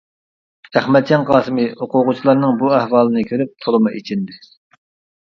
ئەخمەتجان قاسىمى ئوقۇغۇچىلارنىڭ بۇ ئەھۋالىنى كۆرۈپ تولىمۇ ئېچىندى.